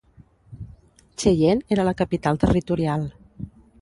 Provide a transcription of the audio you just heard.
Cheyenne era la capital territorial.